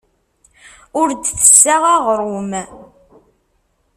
Ur d-tessaɣ aɣrum.